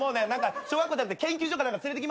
小学校じゃなくて研究所か何か連れてきます。